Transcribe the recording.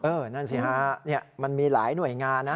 นั่นสิฮะมันมีหลายหน่วยงานนะ